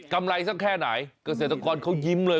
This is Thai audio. ไรสักแค่ไหนเกษตรกรเขายิ้มเลย